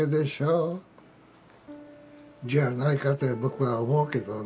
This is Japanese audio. じゃあないかって僕は思うけどね。